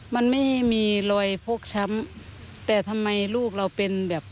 มันไม่มีรอยพกช้ำแต่ทำไมลูกเราเป็นแบบ